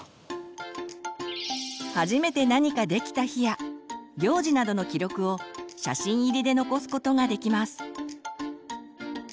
初めて何かできた日や行事などの記録を写真入りで残すことができます。